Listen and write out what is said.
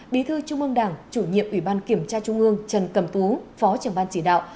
bí thư trung ương đảng chủ nhiệm ủy ban kiểm tra trung ương trần cầm tú phó trưởng ban chỉ đạo